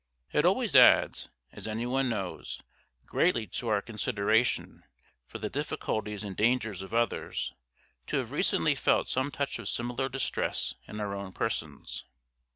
It always adds, as any one knows, greatly to our consideration for the difficulties and dangers of others, to have recently felt some touch of similar distress in our own persons.